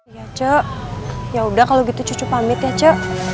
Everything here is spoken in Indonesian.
ya ce yaudah kalau gitu cucu pamit ya ce